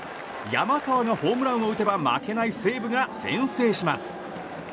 山川がホームランを打てば負けない西武が先制します。